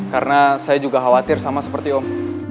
karena saya juga khawatir sama seperti om